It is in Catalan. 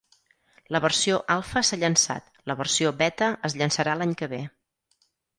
La versió alfa s'ha llançat, la versió beta es llançarà l'any que ve.